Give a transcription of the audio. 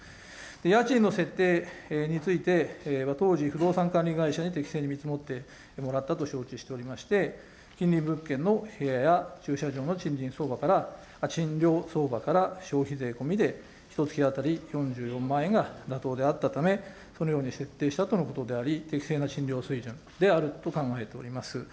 家賃の設定について、当時不動産管理会社に適正に見積もってもらったと承知をしておりまして、近隣物件の部屋や駐車場の賃金相場から、賃料相場から、消費税込みでひとつき当たり４４万円が妥当であったため、そのように設定したとのことであり、適正な水準であったと考えております。